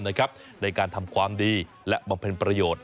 ในการทำความดีและบำเพ็ญประโยชน์